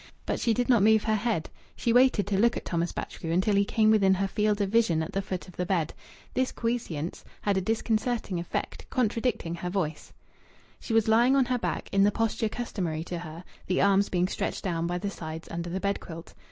But she did not move her head; she waited to look at Thomas Batchgrew until he came within her field of vision at the foot of the bed. This quiescence had a disconcerting effect, contradicting her voice. She was lying on her back, in the posture customary to her, the arms being stretched down by the sides under the bed quilt.